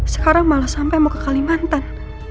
sekarang malah sampai mau ke kalimantan